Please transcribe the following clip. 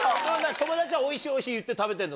友達はおいしいおいしい言って食べてんだ？